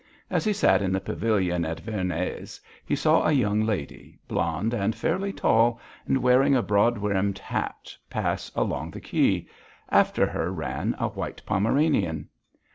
As he sat in the pavilion at Verné's he saw a young lady, blond and fairly tall, and wearing a broad brimmed hat, pass along the quay. After her ran a white Pomeranian.